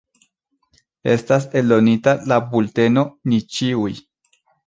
Estas eldonita la bulteno Ni ĉiuj.